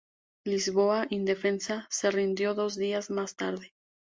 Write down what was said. Lisboa, indefensa, se rindió dos días más tarde.